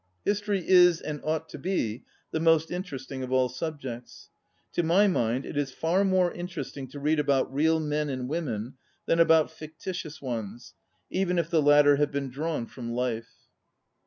History is, and ought to be, the most interesting of all subjects. To my mind it is far more interesting to read about real men and women than about ficti tious ones, even if the latter have been drawn from life.